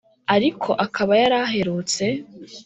Ariko akaba yari aherutse